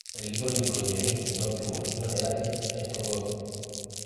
El equipo olímpico yemení no obtuvo ninguna medalla en estos Juegos.